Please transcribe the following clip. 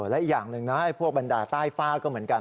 และอีกอย่างหนึ่งนะพวกบรรดาใต้ฝ้าก็เหมือนกัน